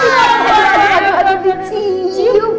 agak agak macam siap kala